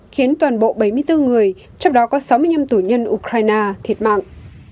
khiến toàn bộ bảy mươi bốn người trong đó có sáu mươi năm tù nhân ukraine thiệt mạng